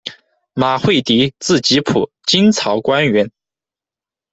马惠迪，字吉甫，金朝官员。